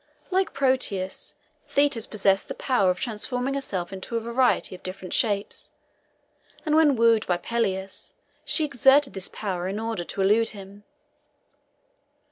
Like Proteus, Thetis possessed the power of transforming herself into a variety of different shapes, and when wooed by Peleus she exerted this power in order to elude him.